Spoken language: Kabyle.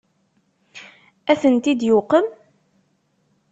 Ad tent-id-yuqem?